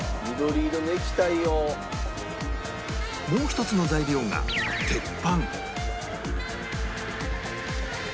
もう一つの材料が鉄板